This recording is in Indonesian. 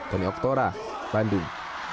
kami oktora bandung